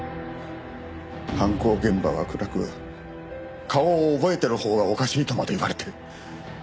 犯行現場は暗く顔を覚えているほうがおかしいとまで言われて。